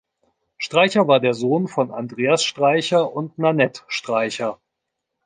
Streicher war der Sohn von Andreas Streicher und Nannette Streicher.